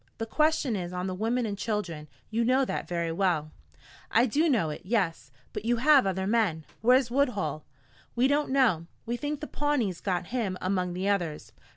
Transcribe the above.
The question is on the women and children. You know that very well." "I do know it yes. But you have other men. Where's Woodhull?" "We don't know. We think the Pawnees got him among the others."